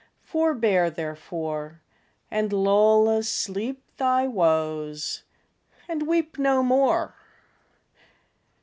Forbear, therefore, And lull asleep Thy woes, and weep No more.